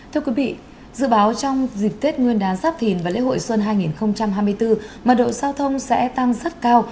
thưa quý vị dự báo trong dịp tết nguyên đán giáp thìn và lễ hội xuân hai nghìn hai mươi bốn mà độ giao thông sẽ tăng rất cao